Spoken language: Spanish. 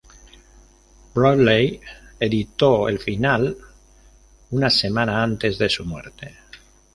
Bradley editó el final una semana antes de su muerte.